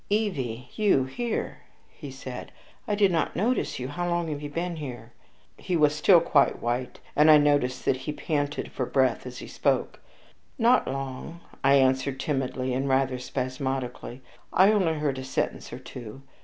"Evie! you here," he said; "I did not notice you. How long have you been here?" He was still quite white, and I noticed that he panted for breath as he spoke. "Not long," I answered, timidly, and rather spasmodically; "I only heard a sentence or two.